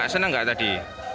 senang gak tadi